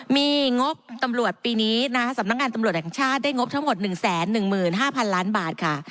มีงบตำรวจปีนี้นะสำนักงานตำรวจแห่งชาติได้งบทั้งหมดหนึ่งแสนหนึ่งหมื่นห้าพันล้านบาทค่ะ